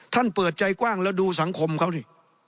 เปิดใจกว้างแล้วดูสังคมเขาดิ